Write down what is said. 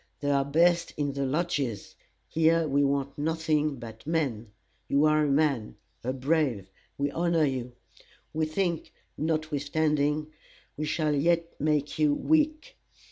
They are best in the lodges; here we want nothing but men. You are a man a brave we honor you. We think, notwithstanding, we shall yet make you weak.